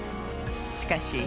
しかし。